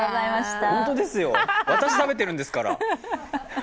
ホントですよ、私、食べてるんですから。